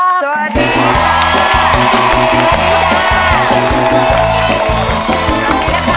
สวัสดีครับ